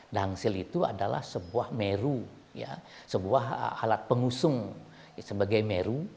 dangsil itu adalah sebuah meru sebuah alat pengusung sebagai meru